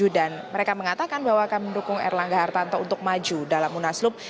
dan mereka mengatakan bahwa akan mendukung erlangga hartanto untuk maju dalam munaslup